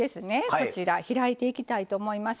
こちら開いていきたいと思います。